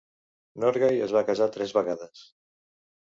Norgay es va casar tres vegades.